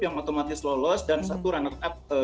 yang otomatis lolos dan satu runner up